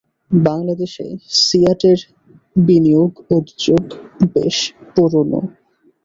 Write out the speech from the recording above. বাংলাদেশে সিয়াটের বিনিয়োগ উদ্যোগ বেশ পুরোনো।